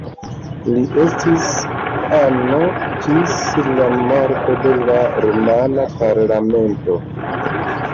Li estis ano ĝis sia morto de la rumana parlamento.